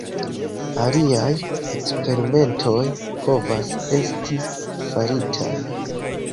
Aliaj eksperimentoj povas esti faritaj.